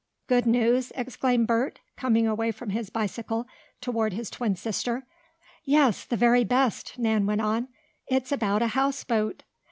"Good news?" exclaimed Bert, coming away from his bicycle, toward his twin sister. "Yes, the very best!" Nan went on. "It's about a houseboat!